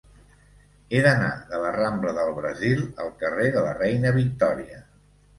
He d'anar de la rambla del Brasil al carrer de la Reina Victòria.